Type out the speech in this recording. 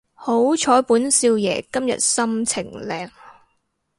好彩本少爺今日心情靚